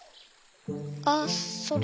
あっそれ。